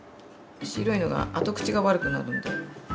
白いのが後口が悪くなるんで。